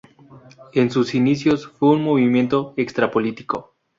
En sus inicios fue un movimiento extra-político.